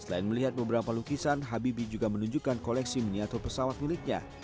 selain melihat beberapa lukisan habibie juga menunjukkan koleksi miniatur pesawat miliknya